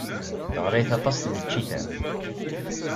Ɣlayet aṭas tneččit-a.